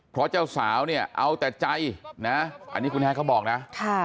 เพราะเจ้าสาวเนี่ยเอาแต่ใจนะอันนี้คุณแฮดเขาบอกนะ